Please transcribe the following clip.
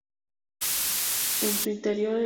En su interior el endocarpio contiene cinco semillas.